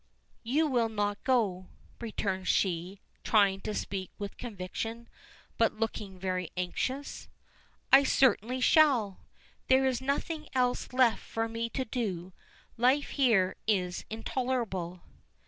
"You will not go," returns she, trying to speak with conviction, but looking very anxious. "I certainly shall. There is nothing else left for me to do. Life here is intolerable."